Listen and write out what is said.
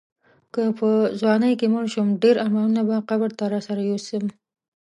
که په ځوانۍ کې مړ شوم ډېر ارمانونه به قبر ته راسره یوسم.